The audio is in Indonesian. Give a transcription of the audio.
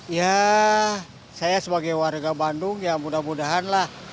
ya saya sebagai warga bandung ya mudah mudahan lah